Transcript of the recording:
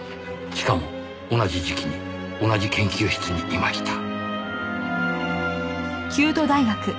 しかも同じ時期に同じ研究室にいました。